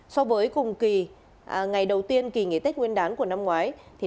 so với cùng kỳ ngày đầu tiên kỳ nghỉ tết nguyên đán của năm ngoái